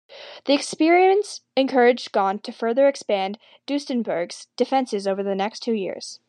The experience encouraged Gaunt to further expand Dunstanburgh's defences over the next two years.